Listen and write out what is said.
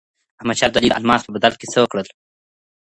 احمد شاه ابدالي د الماس په بدل کي څه وکړل؟